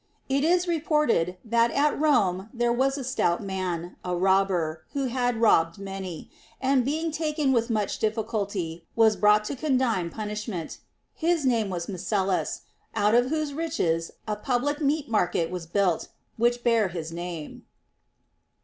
It is reported, that at Rome there was a stout man, a robber, who had robbed many, and being taken with much difficulty, was brought to con dign punishment: his name was Macellus, out of whose riches a public meat market was built, which bare his name.